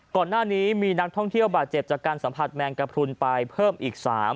ก่อนหน้านี้มีนักท่องเที่ยวบาดเจ็บจากการสัมผัสแมงกระพรุนไปเพิ่มอีก๓